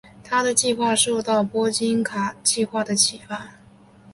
他的计划受到波金卡计划的启发。